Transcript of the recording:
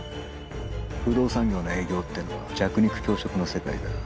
不動産業の営業ってのは弱肉強食の世界だ。